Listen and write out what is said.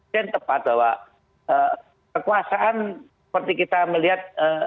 dan tepat bahwa kekuasaan seperti kita melihat